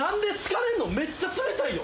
めっちゃ冷たいよ。